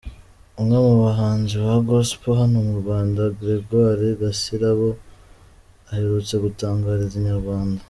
Umwe mu bahanzi ba Gospel hano mu Rwanda, Gregoir Gasirabo aherutse gutangariza Inyarwanda.